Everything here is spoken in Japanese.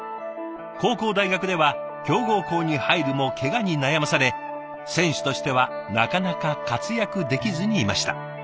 高校大学では強豪校に入るもけがに悩まされ選手としてはなかなか活躍できずにいました。